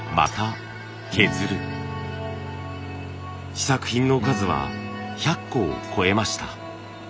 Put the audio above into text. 試作品の数は１００個を超えました。